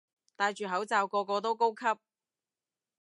戴住口罩個個都高級